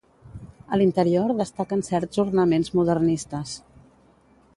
A l'interior destaquen certs ornaments modernistes.